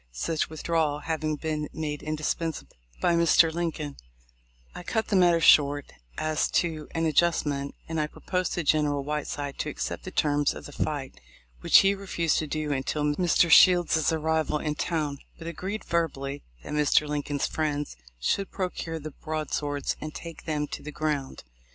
Such withdrawal having been made indispensable by Mr. Lincoln, I cut the matter short as to an adjustment, and I proposed to General Whiteside to accept the terms of the fight, which he refused to do until Mr. Shields' arrival in town, but agreed, verbally, that Mr. Lin coln's friends should procure the broadswords, and take them to the ground.